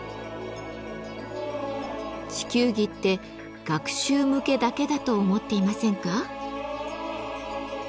地球儀って学習向けだけだと思っていませんか？